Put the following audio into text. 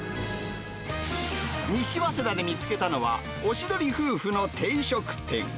西早稲田で見つけたのは、おしどり夫婦の定食店。